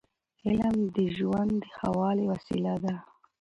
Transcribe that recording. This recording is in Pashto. علم د ژوند د ښه والي وسیله ده.